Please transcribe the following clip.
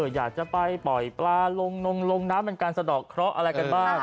อยากจะไปปล่อยปลาลงนงลงน้ำเป็นการสะดอกเคราะห์อะไรกันบ้าง